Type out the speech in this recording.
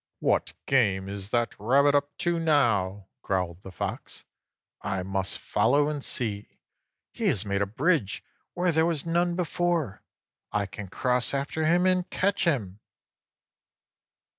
"What game is that rabbit up to now?" growled the Fox. "I must follow and see. He has made a bridge where there was none before. I can cross after him and catch him!"